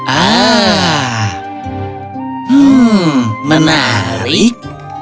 ah hmm menarik